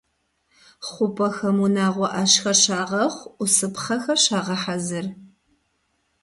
ХъупӀэхэм унагъуэ Ӏэщхэр щагъэхъу, Ӏусыпхъэхэр щагъэхьэзыр.